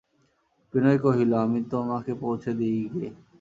বিনয় কহিল, আমি তোমাকে পৌঁছে দিই গে।